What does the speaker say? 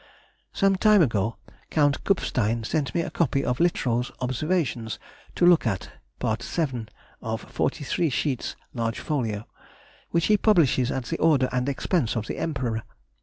Some time ago Count Kupfstein sent me a copy of Littrow's observations to look at (Part VII. of forty three sheets large folio), which he publishes at the order and expense of the Emperor.